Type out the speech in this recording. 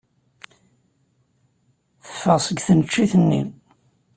Teffeɣ seg tneččit-nni.